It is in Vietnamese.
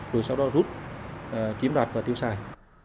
rồi sau đó rút kiếm đoạt và tiêu xài